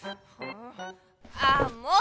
あもう！